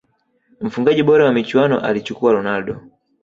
mfungaji bora wa michuano alichukua ronaldo